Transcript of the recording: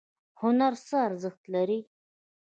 هنر څه ارزښت لري؟